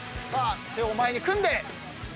手を前に組んで１段目。